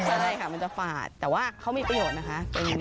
ใช่ค่ะมันจะฝาดแต่ว่าเขามีประโยชน์นะคะ